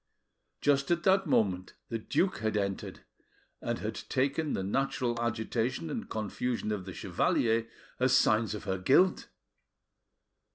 Just at that moment the duke had entered, and had taken the natural agitation and confusion of the chevalier as signs of her guilt.